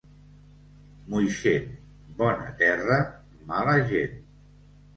Moixent, bona terra, mala gent.